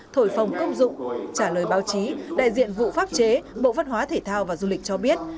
thổi phòng công dụng trả lời báo chí đại diện vụ pháp chế bộ văn hóa thể thao và du lịch cho biết